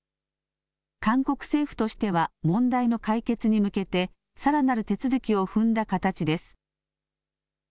韓国政府としては、問題の解決に向けて、さらなる手続きを踏んだ形です。